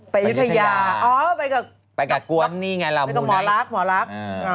ไปอยุธยาไปกับไปกับหมอลัก